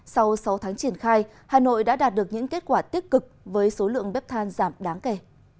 sau sáu tháng triển khai hà nội đã đạt được những kết quả tích cực với số lượng bếp than giảm đáng kể